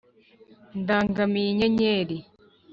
ndangamiye inyenyeri